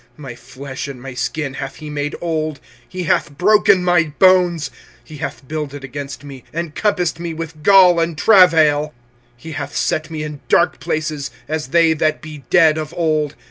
25:003:004 My flesh and my skin hath he made old; he hath broken my bones. 25:003:005 He hath builded against me, and compassed me with gall and travail. 25:003:006 He hath set me in dark places, as they that be dead of old.